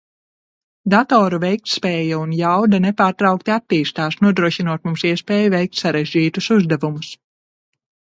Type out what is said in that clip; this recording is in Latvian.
Datoru veiktspēja un jauda nepārtraukti attīstās, nodrošinot mums iespēju veikt sarežģītus uzdevumus.